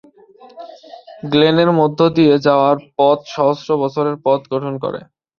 গ্লেনের মধ্য দিয়ে যাওয়ার পথ সহস্র বছরের পথ গঠন করে।